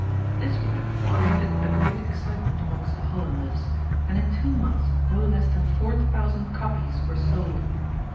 This work created a great excitement amongst the Hollanders, and in two months no less than four thousand copies were sold.